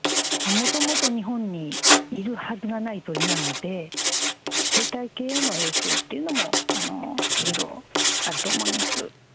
もともと日本にいるはずがない鳥なので、生態系への影響っていうのも、いろいろあると思います。